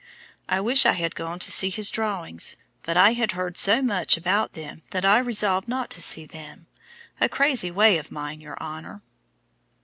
I wish I had gone to see his drawings; but I had heard so much about them that I resolved not to see them 'a crazy way of mine, your honour.'"